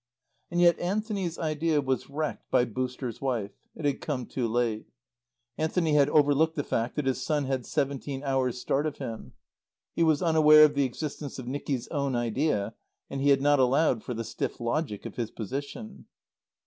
And yet Anthony's idea was wrecked by "Booster's" wife. It had come too late. Anthony had overlooked the fact that his son had seventeen hours' start of him. He was unaware of the existence of Nicky's own idea; and he had not allowed for the stiff logic of his position.